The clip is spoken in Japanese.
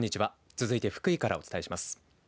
続いて福井からお伝えします。